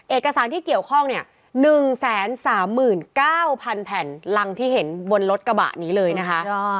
เอกสารที่เกี่ยวข้องเนี่ย๑๓๙๐๐แผ่นรังที่เห็นบนรถกระบะนี้เลยนะคะ